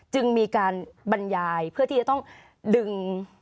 จึงมีการบรรยายเพื่อที่จะต้องดึง